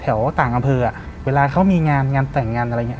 ต่างอำเภออ่ะเวลาเขามีงานงานแต่งงานอะไรอย่างนี้